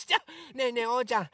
ねえねえおうちゃん